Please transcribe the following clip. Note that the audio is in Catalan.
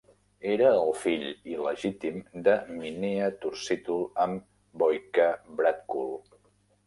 Era el fill il·legítim de Mihnea Turcitul amb Voica Bratcul.